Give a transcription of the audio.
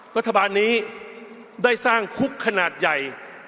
รัฐบาลนี้ได้สร้างคุกขนาดใหญ่